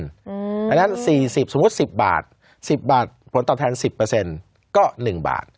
อืมอันนั้น๔๐สมมุติ๑๐บาท๑๐บาทผลตอบแทน๑๐เปอร์เซ็นต์ก็๑บาท